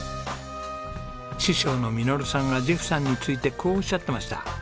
師匠の實さんがジェフさんについてこうおっしゃってました。